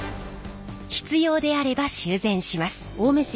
必要であれば修繕します。